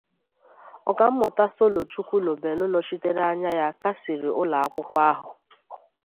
Ọkammụta Solo Chukwulobelụ nọchitere anya ya kasìrì ụlọakwụkwọ ahụ